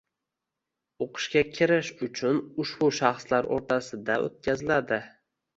Oʻqishga kirish uchun ushbu shaxslar oʻrtasida oʻtkaziladi